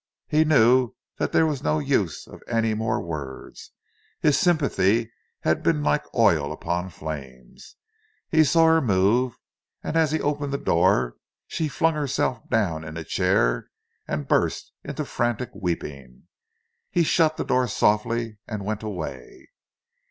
He knew that there was no use of any more words; his sympathy had been like oil upon flames. He saw her move, and as he opened the door, she flung herself down in a chair and burst into frantic weeping. He shut the door softly and went away.